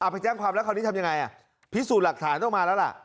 ไปแจ้งความแล้วคราวนี้ทำยังไงพิสูจน์หลักฐานต้องมาแล้วล่ะ